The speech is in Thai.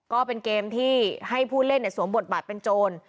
ก็เป็นเกมที่ให้ผู้เล่นสวมบทบาทเป็นโจร